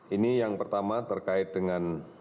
ini yang pertama terkait dengan